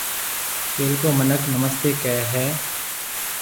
پيلڪو مِنک نمستيَ ڪهيَ هيَ۔